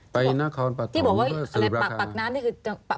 ไปนครปฐมสืบราคา